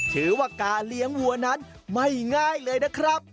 ถือว่าการเลี้ยงวัวนั้นไม่ง่ายเลยนะครับ